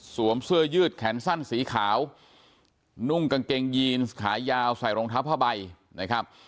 เสื้อยืดแขนสั้นสีขาวนุ่งกางเกงยีนขายาวใส่รองเท้าผ้าใบนะครับ